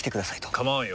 構わんよ。